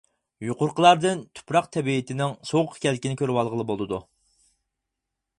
يۇقىرىقىلاردىن تۇپراق تەبىئىتىنىڭ سوغۇق ئىكەنلىكىنى كۆرۈۋالغىلى بولىدۇ.